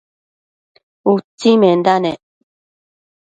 utsimenda nec